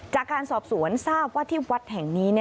จากการสอบสวนทราบว่าที่วัดแห่งนี้